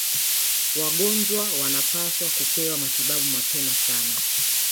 Wagonjwa wanapaswa kupewa matibabu mapema sana